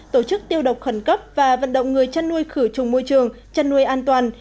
tổ chức tiêu độc khẩn cấp và vận động người chăn nuôi khử trùng môi trường chăn nuôi an toàn